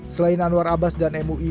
selain anwar abbas dan mui